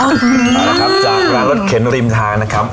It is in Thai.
เอาละครับจากร้านรถเข็นริมทางนะครับ